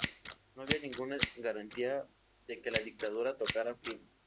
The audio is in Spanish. No había ninguna garantía de que la dictadura tocara a fin.